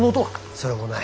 それもない。